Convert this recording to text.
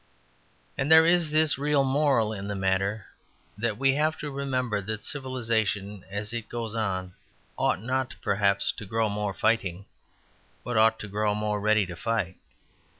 And there is this real moral in the matter; that we have to remember that civilization as it goes on ought not perhaps to grow more fighting but ought to grow more ready to fight.